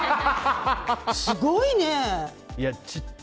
すごいね。